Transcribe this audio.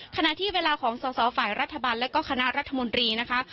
ขณะที่เวลาของสอสอฝ่ายรัฐบาลและก็คณะรัฐมนตรีนะคะ